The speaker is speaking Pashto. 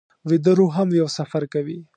ویده روح هم یو سفر کوي